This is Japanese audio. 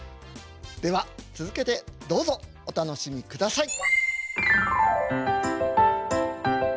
では続けてどうぞお楽しみください。